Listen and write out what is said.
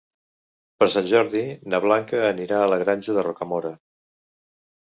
Per Sant Jordi na Blanca anirà a la Granja de Rocamora.